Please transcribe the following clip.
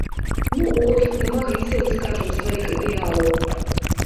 Ну, от, дамагліся вы, скажам, сваіх ідэалаў.